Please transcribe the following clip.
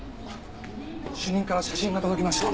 主任から写真が届きました。